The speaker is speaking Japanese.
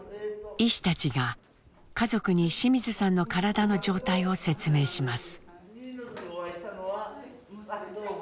医師たちが家族に清水さんの体の状態を説明します。